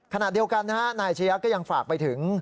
ขณะเดียวกันนายอาชียะก็ยังฝากไปถึง